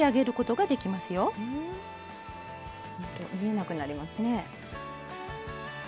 ほんと見えなくなりますね。